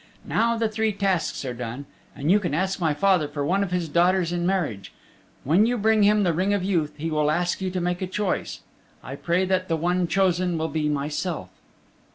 Now the three tasks are done, and you can ask my father for one of his daughters in marriage. When you bring him the Ring of Youth he will ask you to make a choice. I pray that the one chosen will be myself."